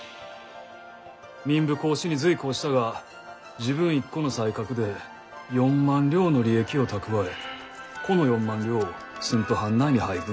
民部公子に随行したが自分一個の才覚で４万両の利益を蓄えこの４万両を駿府藩内に配分」。